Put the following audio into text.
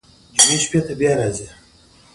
ازادي راډیو د امنیت په اړه د پېښو رپوټونه ورکړي.